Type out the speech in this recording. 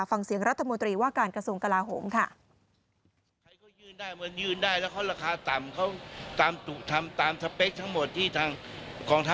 ฟังเสียงรัฐมนตรีว่าการกระทรวงกลาโหมค่ะ